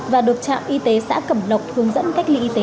và được trạm y tế xã cẩm lộc hướng dẫn cách ly y tế